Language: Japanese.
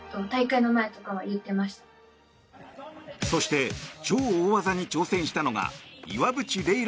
そして、超大技に挑戦したのが岩渕麗